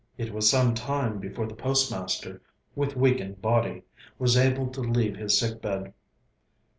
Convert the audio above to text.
It was some time before the postmaster, with weakened body, was able to leave his sick bed.